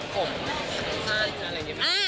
ผมสั้นอะไรอย่างนี้ไหม